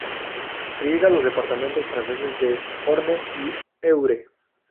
Riega los departamentos franceses de Orne y Eure.